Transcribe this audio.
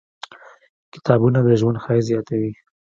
• کتابونه، د ژوند ښایست زیاتوي.